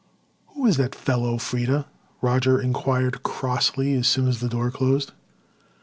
"Who is that fellow, Freda?" Roger inquired crossly, as soon as the door closed.